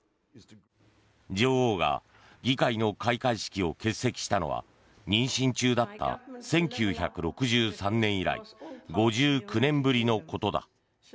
女王が議会の開会式を欠席したのは妊娠中だった１９６３年以来５９年ぶりのことだ。